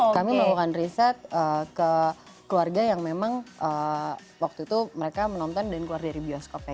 kami melakukan riset ke keluarga yang memang waktu itu mereka menonton dan keluar dari bioskopnya